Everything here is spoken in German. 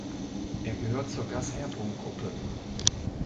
Er gehört zur Gasherbrum-Gruppe.